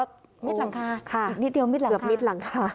มิดหลังคาค่ะเกือบมิดหลังคาอีกนิดเดียวมิดหลังคา